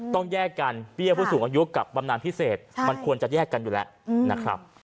ต้องแยกกันเบี้ยผู้สูงอายุกับบำนานพิเศษมันควรจะแยกกันอยู่แล้วนะครับ